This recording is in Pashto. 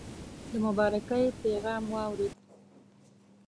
د مبارکی پیغام واورېد.